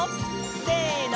せの！